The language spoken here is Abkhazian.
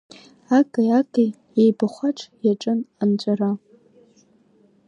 Аки-аки еибахәаҽ иаҿын анҵәара.